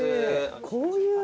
こういう。